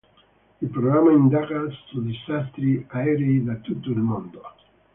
Il programma indaga su disastri aerei da tutto il mondo.